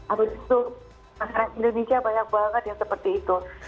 atau disuruh masalah indonesia banyak banget yang seperti itu